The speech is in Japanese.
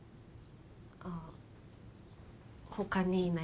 あっ他にいない。